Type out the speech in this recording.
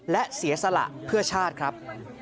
และเสียสละเพื่อชาติครับ